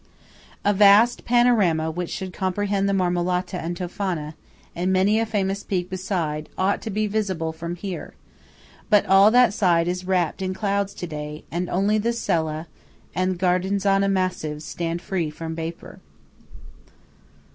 A vast panorama which should comprehend the Marmolata and Tofana, and many a famous peak beside, ought to be visible from here; but all that side is wrapt in clouds to day, and only the Sella and Guerdenazza Massives stand free from vapour.